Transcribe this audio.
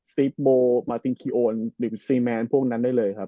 ซีฟโบมาตินคีโอนหรือซีแมนพวกนั้นได้เลยครับ